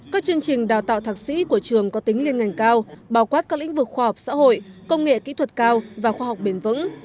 các chương trình đào tạo thạc sĩ của trường có tính liên ngành cao bào quát các lĩnh vực khoa học xã hội công nghệ kỹ thuật cao và khoa học bền vững